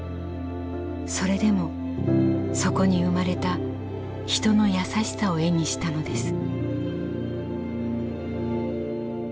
それでもそこに生まれた人の優しさを絵にしたのです。